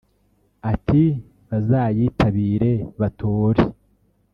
Ati “Bazayitabire batore